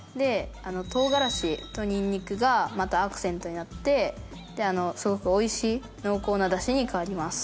唐辛子とニンニクがまたアクセントになってすごくおいしい濃厚なだしに変わります。